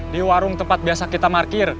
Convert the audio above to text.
di warung tempat biasa kita markir